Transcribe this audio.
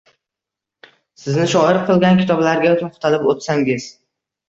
Sizni shoir qilgan kitoblarga to`xtalib o`tsangiz